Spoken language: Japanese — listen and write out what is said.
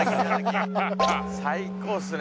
最高っすね。